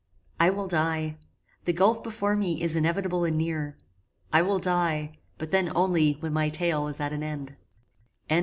I will die. The gulph before me is inevitable and near. I will die, but then only when my tale is at an end.